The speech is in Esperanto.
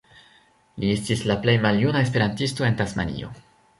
Li estis la plej maljuna esperantisto en Tasmanio.